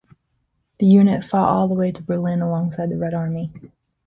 The unit fought all the way to Berlin alongside the Red Army.